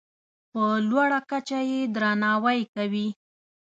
په لوړه کچه یې درناوی کوي.